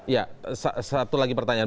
ya satu lagi pertanyaan